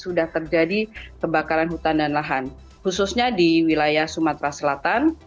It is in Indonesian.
sudah terjadi kebakaran hutan dan lahan khususnya di wilayah sumatera selatan